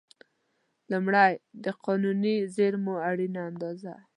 لومړی: د قانوني زېرمو اړینه اندازه.